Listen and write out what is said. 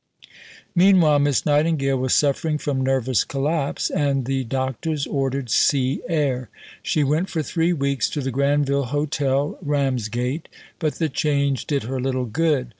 Meanwhile, Miss Nightingale was suffering from nervous collapse, and the doctors ordered sea air. She went for three weeks to the Granville Hotel, Ramsgate, but the change did her little good.